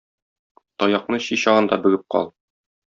Таякны чи чагында бөгеп кал!